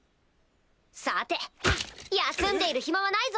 さて休んでいる暇はないぞ！